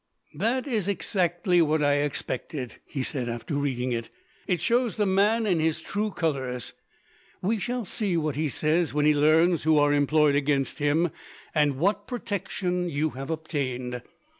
"That is exactly what I expected," he said, after reading it. "It shows the man in his true colours. We shall see what he says when he learns who are employed against him, and what protection you have obtained.